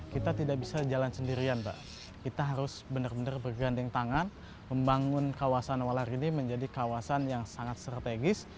kita tidak bisa jalan sendirian pak kita harus benar benar bergandeng tangan membangun kawasan walar ini menjadi kawasan yang sangat strategis